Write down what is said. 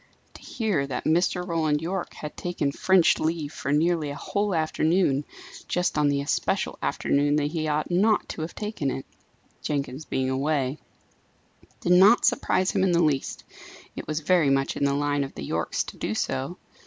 To hear that Mr. Roland Yorke had taken French leave for nearly a whole afternoon, just on the especial afternoon that he ought not to have taken it Jenkins being away did not surprise him in the least; it was very much in the line of the Yorkes to do so.